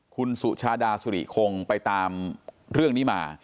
คุณสุชาดาสุริคงไปตามเรื่องนี้มา